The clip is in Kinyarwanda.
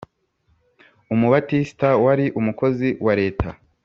Umubatisita wari umukozi wa leta